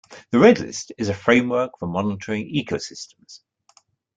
The Red List is a framework for monitoring ecosystems.